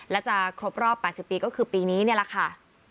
และจะครบรอบ๘๐ปีก็คือปีนี้นี่แหละค่ะ